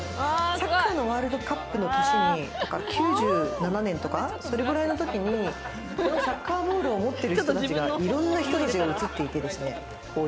サッカーのワールドカップの年に、９７年とかそれくらいのときにサッカーボールを持ってる人たちが、いろんな人たちが写っていてですね。